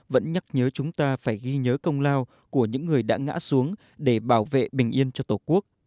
vẫn nhắc nhớ chúng ta phải ghi nhớ công lao của những người đã ngã xuống để bảo vệ bình yên cho tổ quốc